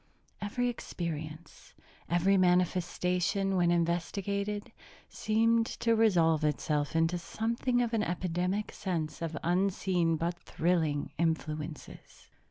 Every experience, every manifestation, when investigated, seemed to resolve itself into something of an epidemic sense of unseen but thrilling influences.